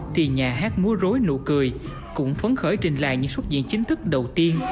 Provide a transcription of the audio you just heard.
thì nhà hát mua rối nụ cười cũng phấn khởi trình là những xuất diễn chính thức đầu tiên